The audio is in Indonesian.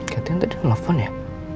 katanya tadi nelfon ya